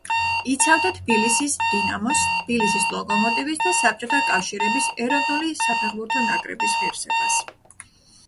იცავდა თბილისის „დინამოს“, თბილისის „ლოკომოტივის“ და საბჭოთა კავშირის ეროვნული საფეხბურთო ნაკრების ღირსებას.